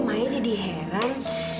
maya jadi heran